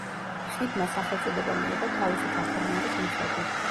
ხიდმა სახელწოდება მიიღო თავისი გაფორმების მიხედვით.